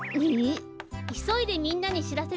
いそいでみんなにしらせてください。